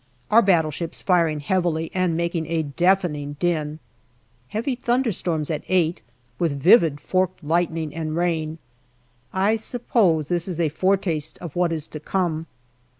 Our battleships firing heavily and making a deafening din. Heavy thunderstorms at eight, with vivid forked lightning and rain. I suppose this is a foretaste of what is to come.